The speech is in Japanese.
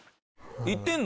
行ってんの？